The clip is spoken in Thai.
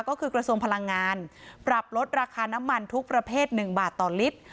ก็คือกระทรวงพลังงานปรับลดราคาน้ำมันทุกประเภท๑บาทต่อลิตร